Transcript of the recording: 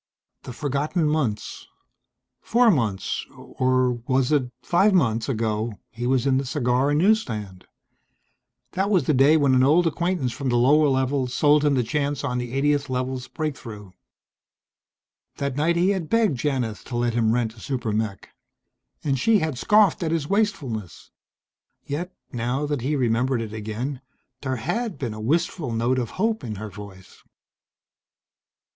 The forgotten months. Four months, or was it five months, ago, he was in the cigar and news stand. That was the day when an old acquaintance from the lower levels sold him the chance on the 80th Level's breakthrough. That night he had begged Janith to let him rent a super mech. And she had scoffed at his wastefulness. Yet, now that he remembered it again, there had been a wistful note of hope in her voice.